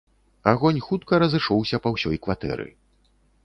Агонь хутка разышоўся па ўсёй кватэры.